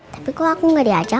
tapi kuah konggeri aja